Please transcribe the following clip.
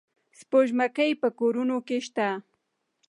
سپوږمکۍ په کورونو کې شته.